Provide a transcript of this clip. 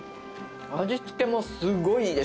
味付けもすごいいいです。